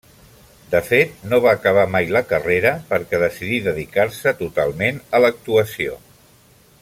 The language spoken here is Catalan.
De fet, no va acabar mai la carrera perquè decidí dedicar-se totalment a l'actuació.